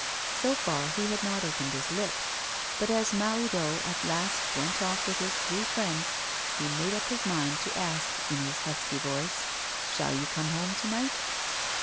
So far, he had not opened his lips. But as Mahoudeau at last went off with his three friends, he made up his mind to ask, in his husky voice: 'Shall you come home to night?